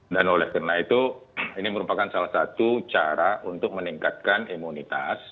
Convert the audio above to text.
dan oleh karena itu ini merupakan salah satu cara untuk meningkatkan imunitas